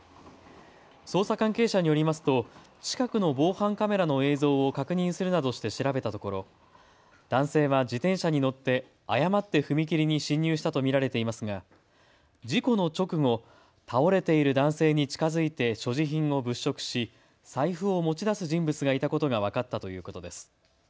捜査関係者によりますと近くの防犯カメラの映像を確認するなどして調べたところ男性は自転車に乗って誤って踏切に進入したと見られていますが事故の直後、倒れている男性に近づいて所持品を物色し財布を持ち出す人物がいたことが分かったということです。